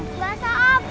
gak usah om